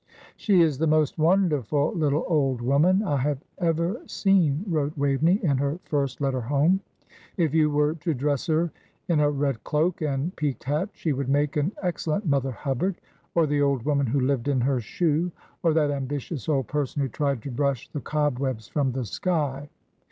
"She is the most wonderful little old woman I have ever seen," wrote Waveney, in her first letter home. "If you were to dress her in a red cloak and peaked hat she would make an excellent Mother Hubbard, or the 'old woman who lived in her shoe,' or that ambitious old person who tried to brush the cobwebs from the sky.